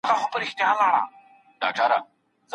له ځان سره په مهربانۍ چلند وکړئ.